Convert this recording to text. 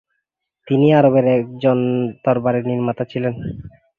তিনি আরবের একজন তরবারি নির্মাতা ছিলেন।